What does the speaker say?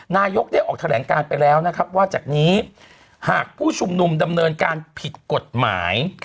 นายกได้ออกแถลงการไปแล้วนะครับว่าจากนี้หากผู้ชุมนุมดำเนินการผิดกฎหมาย